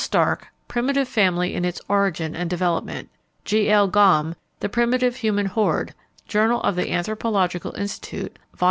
Starcke, Primitive Family in its Origin and Development. G. L. Gomme, "The Primitive Human Horde," Journal of the Anthropological Institute, Vol.